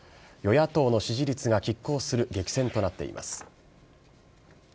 与野党の支持率がきっ抗する激戦となっています。